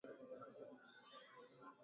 viazi lisha na njia ya kuvilima